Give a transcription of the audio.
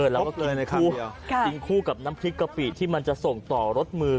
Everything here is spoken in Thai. แล้วก็เลยกินคู่กับน้ำพริกกะปิที่มันจะส่งต่อรสมือ